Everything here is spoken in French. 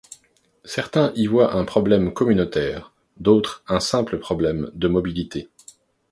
Certains y voit un problème communautaire d'autre un simple problème de mobilité.